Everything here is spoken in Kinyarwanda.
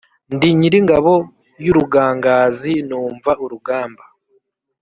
ndi nyir’ingabo y’urugangazi, numva urugamba